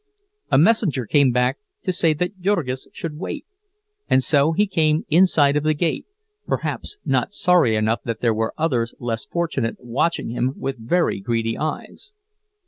A messenger came back to say that Jurgis should wait, and so he came inside of the gate, perhaps not sorry enough that there were others less fortunate watching him with greedy eyes.